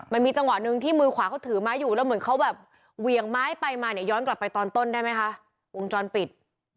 มันมีจังหวะหนึ่งที่มือขวาเขาถือไม้อยู่แล้วเหมือนเขาแบบเหวี่ยงไม้ไปมาเนี่ยย้อนกลับไปตอนต้นได้ไหมคะวงจรปิด